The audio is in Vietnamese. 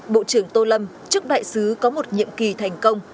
bộ trưởng tô lâm chúc đại sứ có một nhiệm kỳ thành công